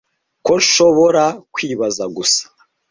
ko nshobora kwibaza gusa.